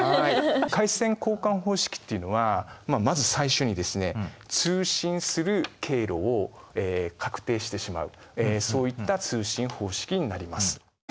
回線交換方式っていうのはまず最初にですね通信する経路を確定してしまうそういった通信方式になります。